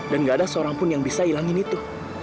dan nggak ada seorang pun yang bisa hilangin itu